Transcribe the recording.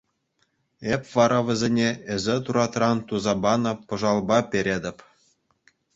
Эп вара вӗсене эсӗ туратран туса панӑ пӑшалпа перетӗп.